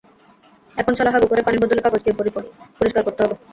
এখন শালা, হাগু করে পানির বদলে কাগজ দিয়ে পরিষ্কার করতে হবে।